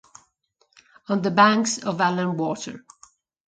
On the Banks of Allan Water